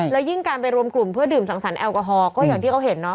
แล้วยิ่งการไปรวมกลุ่มเพื่อดื่มสังสรรค์ก็อย่างที่เขาเห็นเนาะ